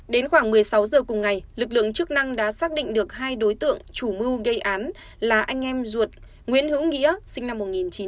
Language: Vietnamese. đến khoảng một mươi sáu giờ cùng ngày lực lượng chức năng đã xác định được hai đối tượng chủ mưu gây án là anh em ruột nguyễn hữu nghĩa sinh năm một nghìn chín trăm tám mươi